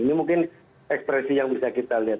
ini mungkin ekspresi yang bisa kita lihat